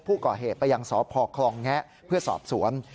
ผู้ก่อเหตุไปยังสพคลองแงะเพื่อสอบสวน